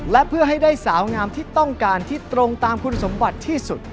และเพื่อให้ได้สาวงามที่ต้องการที่ตรงตามคุณสมบัติที่สุด